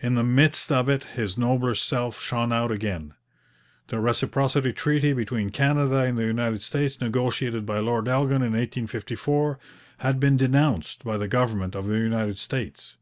In the midst of it his nobler self shone out again. The Reciprocity Treaty between Canada and the United States, negotiated by Lord Elgin in 1854, had been denounced by the government of the United States.